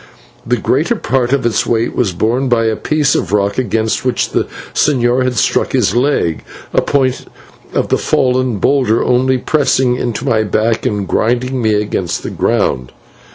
The greater part of its weight was borne by the piece of rock against which the señor had struck his leg, a point of the fallen boulder only pressing into my back and grinding me against the ground.